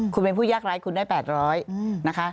คุณเป็นผู้ยากไร้คุณได้๘๐๐นะคะ